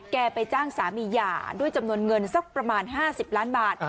ไปจ้างสามีหย่าด้วยจำนวนเงินสักประมาณ๕๐ล้านบาท